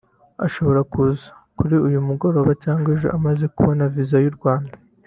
ashobora kuza kuri uyu mugoroba cyangwa ejo amaze kubona visa y’u Rwanda